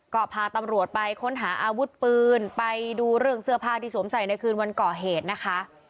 ก็พาตำรวจไปค้นหาอาวุธปืนไปดูเรื่องเสื้อผ้าที่สวมใส่ในคืนวันก่อเหตุนะคะ